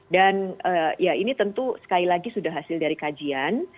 dan ya ini tentu sekali lagi sudah hasil dari kajian